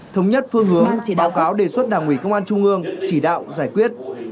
thống nhất phương hướng báo cáo đề xuất đảng ủy công an trung ương chỉ đạo giải quyết